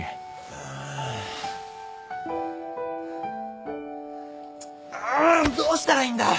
ああーどうしたらいいんだ！